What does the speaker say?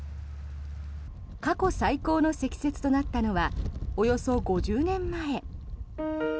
過去最高の積雪となったのはおよそ５０年前。